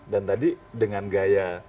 dan tadi dengan gaya